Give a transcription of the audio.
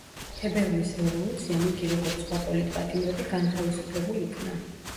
თებერვლის რევოლუციამ, იგი როგორც სხვა პოლიტპატიმრები განთავისუფლებულ იქნა.